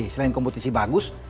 selain kompetisi bagus